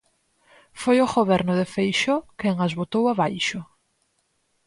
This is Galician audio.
Foi o Goberno de Feixóo quen as botou abaixo.